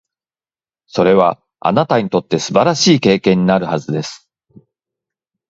それは、あなたにとって素晴らしい経験になるはずです。